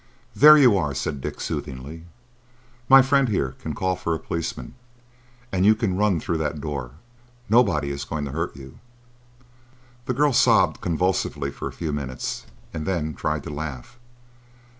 "There you are," said Dick, soothingly. "My friend here can call for a policeman, and you can run through that door. Nobody is going to hurt you." The girl sobbed convulsively for a few minutes, and then tried to laugh.